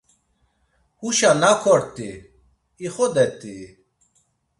Huşa nak ort̆i, ixodet̆ii!